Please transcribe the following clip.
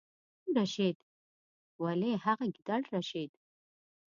کوم رشید؟ ولې هغه ګیدړ رشید.